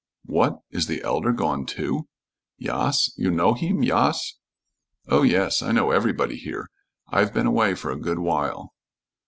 "What! Is the Elder gone, too?" "Yas. You know heem, yas?" "Oh, yes. I know everybody here. I've been away for a good while."